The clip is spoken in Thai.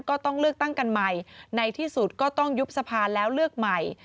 ก็ต้องเลือกตั้งกันใหม่ในที่สุดก็ต้องยุบสภาแล้วเลือกใหม่